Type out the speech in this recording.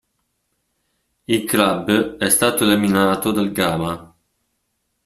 Il club è stato eliminato dal Gama.